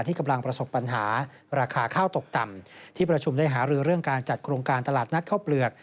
กำลังประสบปัญหาราคาข้าวตกต่ำที่ประชุมได้หารือเรื่องการจัดโครงการตลาดนัดข้าวเปลือก